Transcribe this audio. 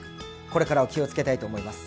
これからは気をつけたいと思います。